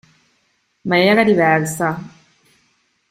Ma era diversa.